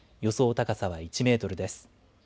高さは１メートルです。